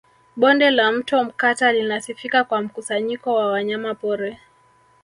Bonde la Mto Mkata linasifika kwa mkusanyiko wa wanyamapori